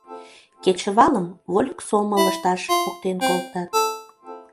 Кечывалым вольык сомыл ышташ поктен колтат.